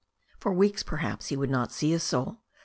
For weeks, perhaps, he would not see a soul.